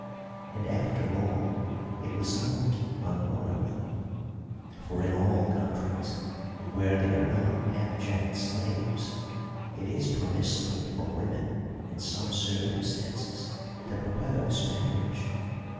And, after all, it was not unwomanly; for in all countries where they are not abject slaves it is permissible for women in some circumstances to propose marriage.